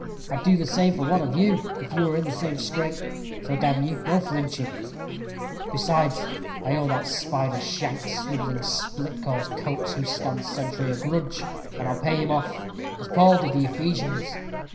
I'd do the same for one of you if you were in the same scrape, so, damn you, no flinching; besides, I owe that spider shanked, snivelling split cause Coates, who stands sentry, a grudge, and I'll pay him off, as Paul did the Ephesians.